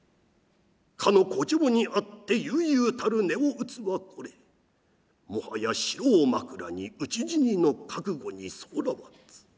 かの古城にあって悠々たる音を打つはこれもはや城を枕に討ち死にの覚悟にそうらわず。